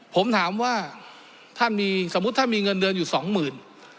ผมถามว่าสมมติท่านมีเงินเดือนอยู่๒หมื่น